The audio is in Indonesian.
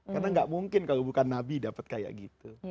karena gak mungkin kalau bukan nabi dapat kayak gitu